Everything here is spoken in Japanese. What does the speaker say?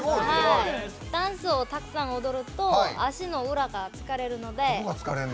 ダンスをたくさん踊ると足の裏が疲れるので。